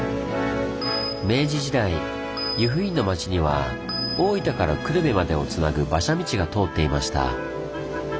明治時代由布院の町には大分から久留米までをつなぐ馬車道が通っていました。